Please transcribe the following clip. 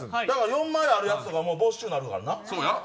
４枚あるやつとか没収になるからな。